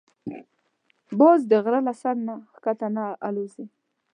باز د غره له سر نه ښکته الوزي